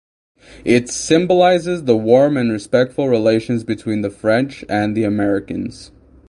It symbolizes the warm and respectful relations between the French and the Americans.